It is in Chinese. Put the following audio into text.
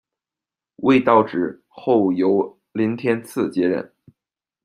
未到职，后由林天赐接任。